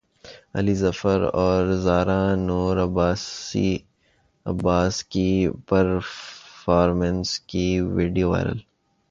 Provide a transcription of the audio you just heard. علی ظفر اور زارا نور عباس کی پرفارمنس کی ویڈیو وائرل